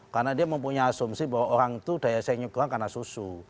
karena dia mempunyai asumsi bahwa orang itu daya senyum kurang karena susu